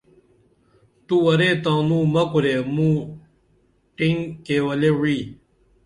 تو ورے تانوں مہ کُرے موں ٹینگ کیولے وعی